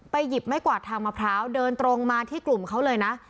หยิบไม้กวาดทางมะพร้าวเดินตรงมาที่กลุ่มเขาเลยนะ